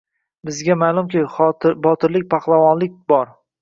Bizga ma’lumki, botirlik, pahlavonlik bor.